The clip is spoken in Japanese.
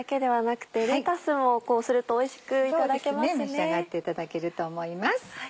召し上がっていただけると思います。